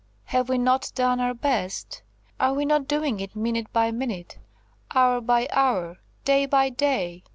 Have we not done our best? Are we not doing it minute by minute, hour by hour, day by day?